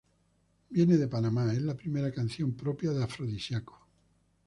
Viene de Panamá es la primera canción propia de Afrodisíaco.